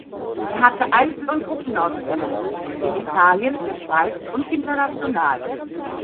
Er hatte Einzel- und Gruppenausstellungen in Italien, der Schweiz und international.